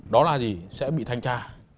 đó là gì sẽ bị thanh tra